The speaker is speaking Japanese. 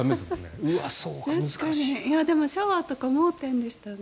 でも、シャワーとか盲点でしたね。